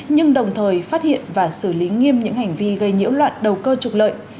nhưng đồng thời phát hiện và xử lý nghiêm những hành vi gây nhiễu loạn đầu cơ trục lợi